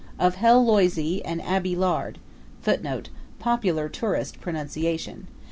] of Hell Loisy and Abie Lard [Footnote: Popular tourist pronunciation.